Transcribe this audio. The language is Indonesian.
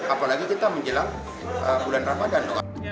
apalagi kita menjelang bulan ramadhan